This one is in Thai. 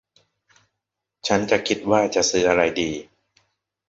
ฉันจะคิดว่าจะซื้ออะไรดี